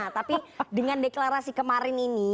nah tapi dengan deklarasi kemarin ini